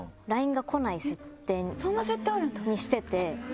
そんな設定あるんだ！にしてて。